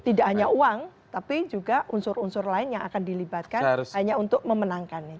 tidak hanya uang tapi juga unsur unsur lain yang akan dilibatkan hanya untuk memenangkannya